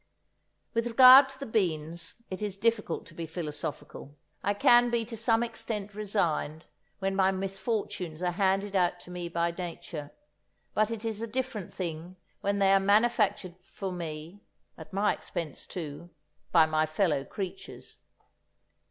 With regard to the beans, it is difficult to be philosophical. I can be to some extent resigned when my misfortunes are handed out to me by Nature, but it is a different thing when they are manufactured for me (at my expense, too) by my fellow creatures.